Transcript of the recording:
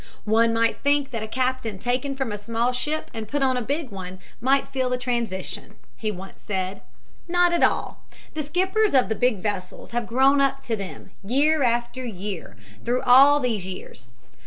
"One might think that a captain taken from a small ship and put on a big one might feel the transition," he once said. "Not at all. The skippers of the big vessels have grown up to them, year after year, through all these years.